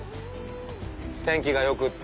天気がよくって。